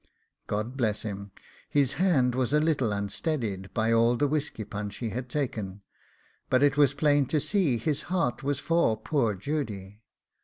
God bless him! his hand was a little unsteadied by all the whisky punch he had taken, but it was plain to see his heart was for poor Judy.